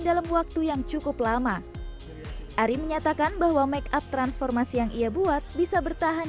dalam waktu yang cukup lama ari menyatakan bahwa make up transformasi yang ia buat bisa bertahan